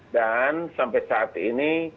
dan sampai saat ini